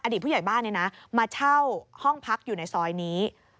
อดีตผู้ใหญ่บ้านเนี่ยนะมาเช่าห้องพักอยู่ในซอยนี้